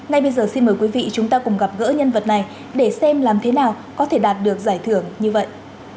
ngay bây giờ xin mời quý vị chúng ta cùng gặp gỡ nhân vật này để xem làm thế nào có thể đạt được giải thưởng như vậy